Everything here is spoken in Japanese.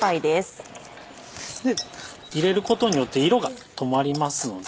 入れることによって色がとまりますので。